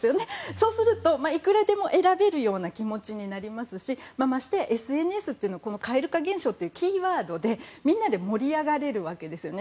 そうすると、いくらでも選べるような気持ちになりますしましてＳＮＳというのは蛙化現象というキーワードでみんなで盛り上がれるわけですよね。